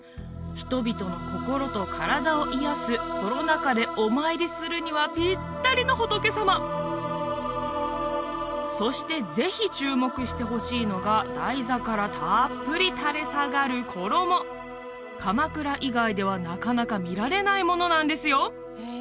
人々の心と体を癒やすコロナ禍でお参りするにはピッタリの仏様そしてぜひ注目してほしいのが台座からたっぷり垂れ下がる衣鎌倉以外ではなかなか見られないものなんですよ